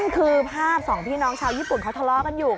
คือภาพสองพี่น้องชาวญี่ปุ่นเขาทะเลาะกันอยู่